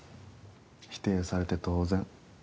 否定されて当然。